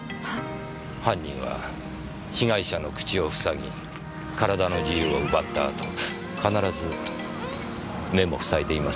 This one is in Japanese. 犯人は被害者の口をふさぎ体の自由を奪った後必ず目もふさいでいます。